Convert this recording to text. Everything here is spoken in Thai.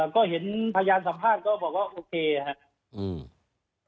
ก็เห็นพยานสัมภาษณ์ก็บอกว่าโอเคครับ